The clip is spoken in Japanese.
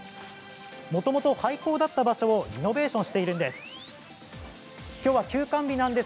もともと廃校だった場所をリノベーションしているんです。